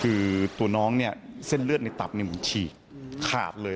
คือตัวน้องเส้นเลือดในตับฉีกขาดเลย